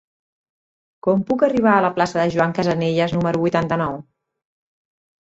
Com puc arribar a la plaça de Joan Casanelles número vuitanta-nou?